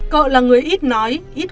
cỡ là người ít nói ít